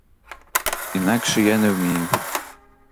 Інакше я не вмію.